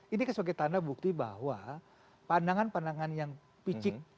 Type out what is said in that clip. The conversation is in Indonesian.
ini sebagai tanda bukti bahwa pandangan pandangan yang picik